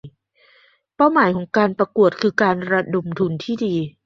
เป้าหมายของการประกวดคือการระดมทุนที่ดี